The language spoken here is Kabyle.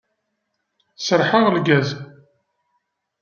Sraḥeɣ lgaz.